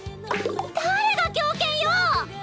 誰が狂犬よ！